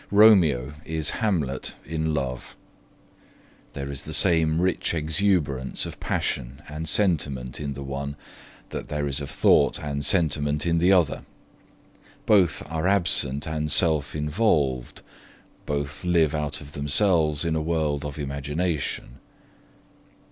Romeo is Hamlet in love. There is the same rich exuberance of passion and sentiment in the one, that there is of thought and sentiment in the other. Both are absent and self involved, both live out of themselves in a world of imagination.